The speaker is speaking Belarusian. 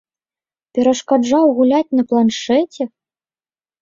Перашкаджаў гуляць на планшэце?